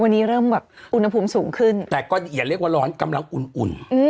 วันนี้เริ่มแบบอุณหภูมิสูงขึ้นแต่ก็อย่าเรียกว่าร้อนกำลังอุ่นอุ่น